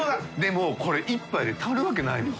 任これ１杯で足りるわけないのよ。